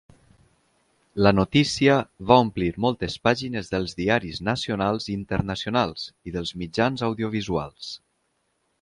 La notícia va omplir moltes pàgines dels diaris nacionals i internacionals, i dels mitjans audiovisuals.